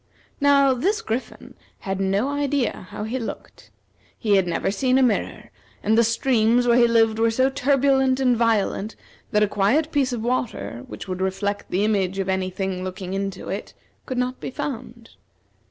Now, this Griffin had no idea how he looked. He had never seen a mirror, and the streams where he lived were so turbulent and violent that a quiet piece of water, which would reflect the image of any thing looking into it, could not be found.